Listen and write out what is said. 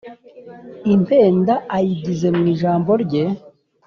Impenda ayigeza mu ijabiro rye.